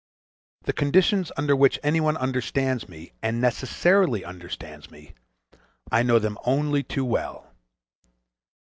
The conditions under which any one understands me, and necessarily understands me—I know them only too well.